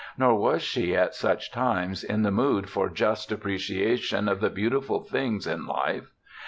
Nor was she at such times in the mood for just appreciation of the beautiful things in life.